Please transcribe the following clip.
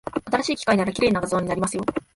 新しい機械なら、綺麗な画像になりますよ。